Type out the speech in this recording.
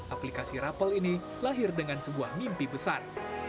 aplikasi rapel ini lahir dengan sebuah mimpi besar